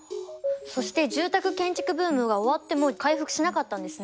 そして住宅建築ブームが終わっても回復しなかったんですね。